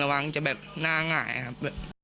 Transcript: ระวังจะแบบน่าง่ายครับ